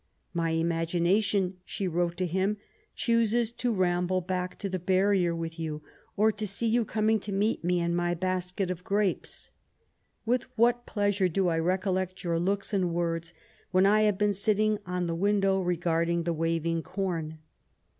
" My imagination/' she wrote to him, "..• chooses to ramble back to the barrier with you, or to see you coming to meet me and my basket of grapes. With what pleasure do I recollect your looks and words, when I have been sitting on the window, regarding the waving corn.''